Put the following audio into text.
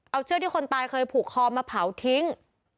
เอาเชือกที่คนตายเคยผูกคอมาเผาทิ้ง